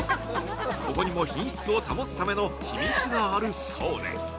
ここにも品質を保つための秘密があるそうで。